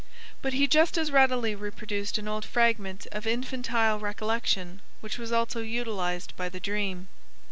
But he just as readily reproduced an old fragment of infantile recollection which was also utilized by the dream.